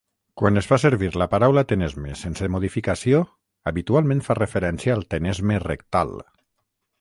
Quan es fa servir la paraula "tenesme" sense modificació, habitualment fa referència al tenesme rectal.